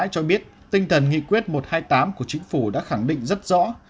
cho biết tinh thần nghị quyết một trăm hai mươi tám của chính phủ đã khẳng định rất rõ